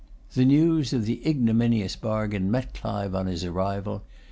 The news of the ignominious bargain met Clive on his arrival.